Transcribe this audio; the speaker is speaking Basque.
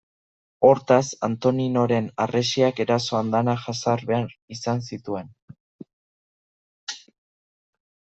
Hortaz, Antoninoren Harresiak eraso andana jasan behar izan zituen.